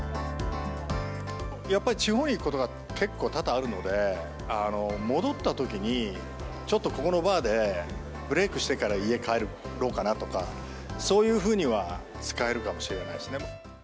やっぱり地方に行くことが結構、多々あるので、戻ったときに、ちょっとここのバーでブレイクしてから家帰ろうかなとか、そういうふうには使えるかもしれないですね。